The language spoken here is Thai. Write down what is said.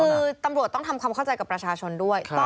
คือตำรวจต้องทำความเข้าใจกับประชาชนด้วย